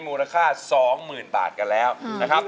มูลค่า๒๐๐๐บาทกันแล้วนะครับ